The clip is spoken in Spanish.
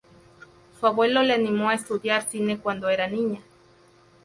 Su abuelo le animó a estudiar cine cuando era niña.